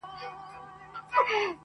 ورته جوړه په ګوښه کي هدیره سوه!